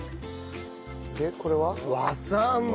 でこれは和三盆。